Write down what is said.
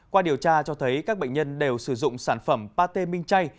qua điều tra cho thấy các bệnh nhân đều sử dụng sản phẩm pate minh chay